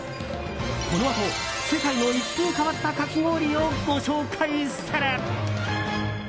このあと、世界の一風変わったかき氷をご紹介する。